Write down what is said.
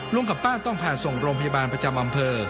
กับป้าต้องพาส่งโรงพยาบาลประจำอำเภอ